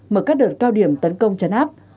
mở các đợt cao điểm tấn công chấn áp